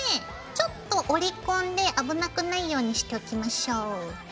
ちょっと折り込んで危なくないようにしておきましょう。